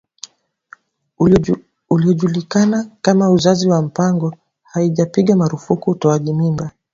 uliojulikana kama uzazi wa mpango haijapiga marufuku utoaji mimba